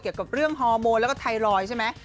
เกี่ยวกับเรื่องฮอร์โมนแล้วก็ไทรอยด์ใช่ไหม